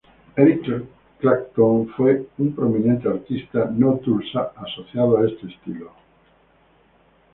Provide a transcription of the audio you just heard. Eric Clapton fue un prominente artista no-Tulsa asociado a este estilo.